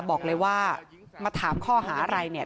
บอกเลยว่ามาถามข้อหาอะไรเนี่ย